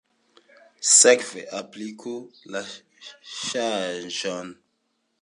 Sekve, apliku la ŝanĝon.